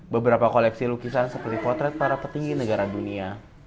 beberapa koleksi lukisan seperti potret para petinggi negara dunia